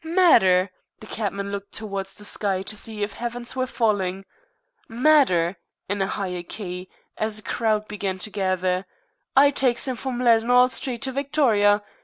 "Matter!" The cabman looked towards the sky to see if the heavens were falling. "Matter!" in a higher key, as a crowd began to gather. "I tykes him from Leaden'all Street to Victoria.